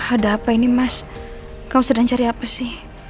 ada apa ini mas kau sedang cari apa sih